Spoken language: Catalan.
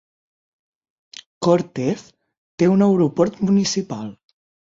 Cortez té un aeroport municipal.